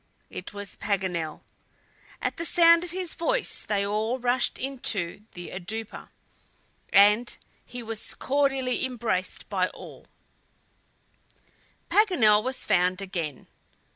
It was Paganel. At the sound of his voice they all rushed into the "oudoupa," and he was cordially embraced all round. Paganel was found again.